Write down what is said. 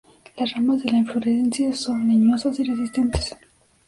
Las ramas de la inflorescencia son leñosas y resistentes.